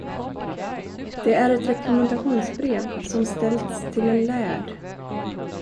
Det är ett rekommendationsbrev som ställts till en laird.